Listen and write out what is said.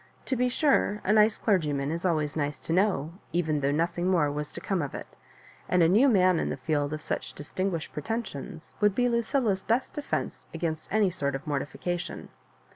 To be sure, a nice clergy man is idways nice to know, even though nothing more was to come of it; and a new man in the field of such distinguished pretensions, would be Lucilla's best defence against any sort of morti < fication.